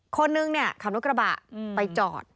คนนึงขับรถกระบะไปจอด